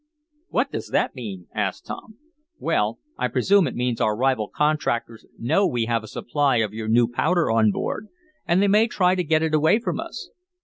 "What does that mean?" asked Tom. "Well, I presume it means our rival contractors know we have a supply of your new powder on board, and they may try to get it away from us."